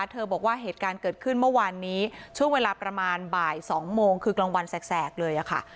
เธอบอกว่าเหตุการณ์เกิดขึ้นเมื่อวานนี้ช่วงเวลาประมาณบ่าย๒โมงคือกลางวันแสกเลยค่ะ